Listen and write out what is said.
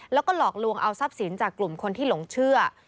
แล้วก็หลอกลวงเอาทรัพย์สินจากกลุ่มคนที่หลงเชื่อ